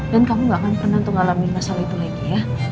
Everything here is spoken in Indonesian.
dan kamu tidak akan pernah mengalami masalah itu lagi ya